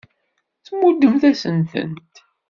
Tmuddemt-asent-tent.